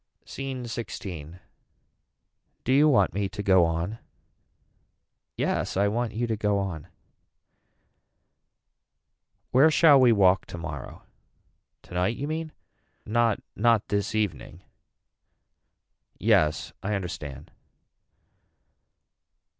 SCENE XVI. Do you want me to go on. Yes I want you to go on. Where shall we walk tomorrow. Tonight you mean. Not not this evening. Yes I understand.